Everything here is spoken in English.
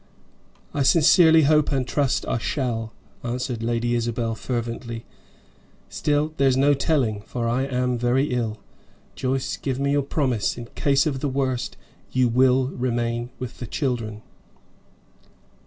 "I sincerely hope and trust I shall," answered Lady Isabel, fervently. "Still, there's no telling, for I am very ill. Joyce, give me your promise. In case of the worst, you will remain with the children."